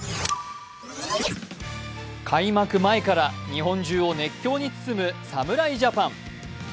開幕前から日本中を熱狂に包む侍ジャパン。